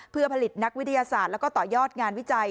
เพื่อผลิตนักวิทยาศาสตร์แล้วก็ต่อยอดงานวิจัย